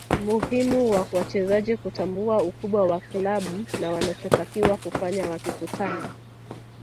Muhimu kwa wachezaji kutambua ukubwa wa klabu na wanachotakiwa kufanya wakikutana